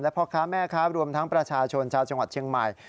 พ่อค้าแม่ค้ารวมทั้งประชาชนชาวจังหวัดเชียงใหม่